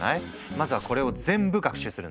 まずはこれを全部学習するんだ。